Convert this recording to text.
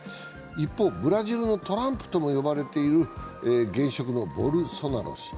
一方、ブラジルのトランプとも呼ばれている現職のボルソナロ氏。